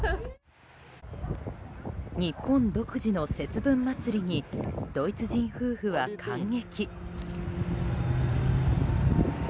日本独自の節分祭にドイツ人夫婦は感激。